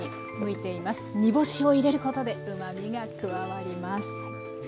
煮干しを入れることでうまみが加わります。